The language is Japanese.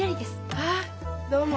ああどうも。